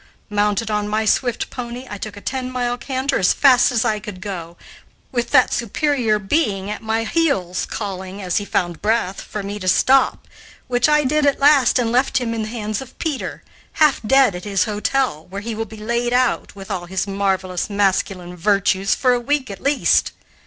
Mounted on my swift pony, I took a ten mile canter as fast as I could go, with that superior being at my heels calling, as he found breath, for me to stop, which I did at last and left him in the hands of Peter, half dead at his hotel, where he will be laid out, with all his marvelous masculine virtues, for a week at least.